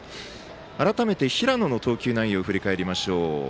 改めて、平野の投球内容を振り返りましょう。